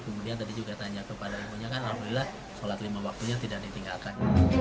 kemudian tadi juga tanya kepada ibunya kan alhamdulillah sholat lima waktunya tidak ditinggalkan